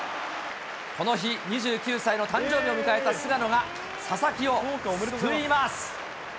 この日、２９歳の誕生日を迎えた菅野が、佐々木を救います。